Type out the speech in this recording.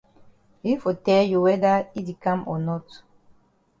Yi for tell you whether yi di kam o not.